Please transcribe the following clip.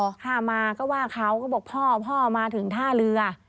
พอข้ามาก็ว่าเขาก็บอกพ่อพ่อมาถึงท่าเรือ